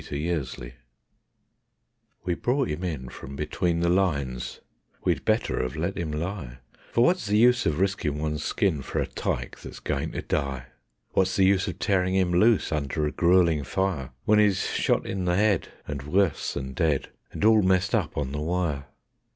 _ Only a Boche We brought him in from between the lines: we'd better have let him lie; For what's the use of risking one's skin for a TYKE that's going to die? What's the use of tearing him loose under a gruelling fire, When he's shot in the head, and worse than dead, and all messed up on the wire?